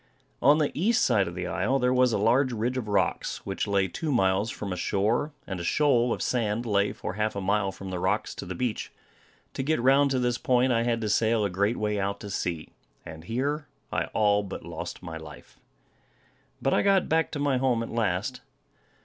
On the East side of the isle, there was a large ridge of rocks, which lay two miles from the shore; and a shoal of sand lay for half a mile from the rocks to the beach. To get round to this point, I had to sail a great way out to sea; and here I all but lost my life. But I got back to my home at last.